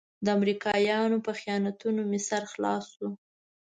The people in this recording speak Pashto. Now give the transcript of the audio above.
د امريکايانو په خیانتونو مې سر خلاص شو.